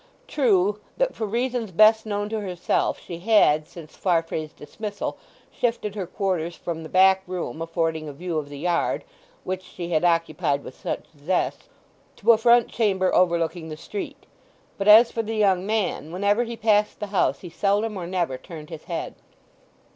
True, that for reasons best known to herself, she had, since Farfrae's dismissal, shifted her quarters from the back room affording a view of the yard (which she had occupied with such zest) to a front chamber overlooking the street; but as for the young man, whenever he passed the house he seldom or never turned his head.